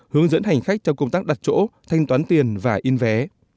hướng dẫn hành khách trong công tác đặt chỗ thanh toán tiền và in vé